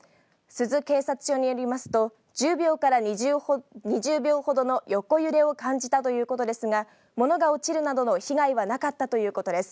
珠洲警察署によりますと１０秒から２０秒ほどの横揺れを感じたということですが物が落ちるなどの被害はなかったということです。